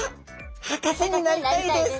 「はかせになりたいです」。